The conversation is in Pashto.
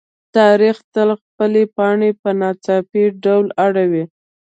تاریخ تل خپلې پاڼې په ناڅاپي ډول اړوي.